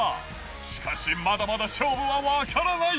しかしまだまだ勝負は分からない。